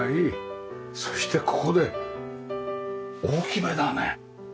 そしてここで大きめだね。